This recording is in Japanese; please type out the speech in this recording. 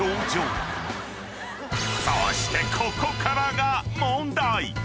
［そしてここからが問題］